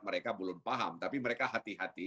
mereka belum paham tapi mereka hati hati